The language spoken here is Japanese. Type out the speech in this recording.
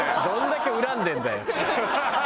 どんだけ恨んでるんだよ！